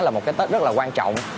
là một cái tết rất là quan trọng